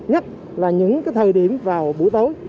nhất là những thời điểm vào buổi tối